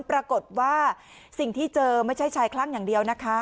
ปรากฏว่าสิ่งที่เจอไม่ใช่ชายคลั่งอย่างเดียวนะคะ